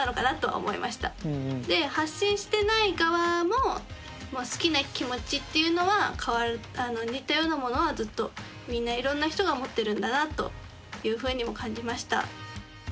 で発信してない側も好きな気持ちっていうのは似たようなものはずっとみんないろんな人が持ってるんだなというふうにも感じました。